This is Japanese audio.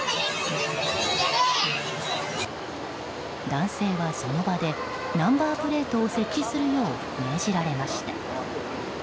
男性は、その場でナンバープレートを設置するよう命じられました。